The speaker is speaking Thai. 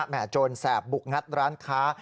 โจรแสบบุกงัดร้านค้า